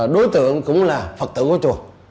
đối tượng cũng là phật tử của chùa